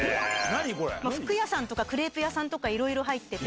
服屋さんとかクレープ屋さんとかいろいろ入ってて。